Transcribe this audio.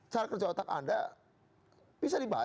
cara kerja otak anda bisa dibaca